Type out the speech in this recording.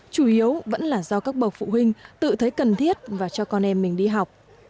chủ yếu vẫn là do các bậc phụ huynh tự thấy cần thiết và cho con em mình đi học